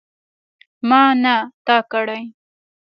ما نه تا کړی.